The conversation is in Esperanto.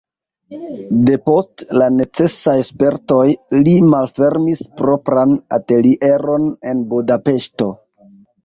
Depost la necesaj spertoj li malfermis propran atelieron en Budapeŝto.